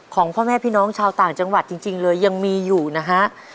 ของพ่อแม่พี่น้องชาวต่างจังหวัดจริงเลยยังมีอยู่นะฮะ